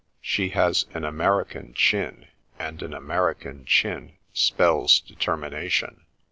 She has an American chin, and an American chin spells determination.